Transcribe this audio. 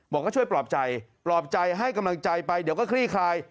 ช่วยปลอบใจปลอบใจให้กำลังใจไปเดี๋ยวก็คลี่คลาย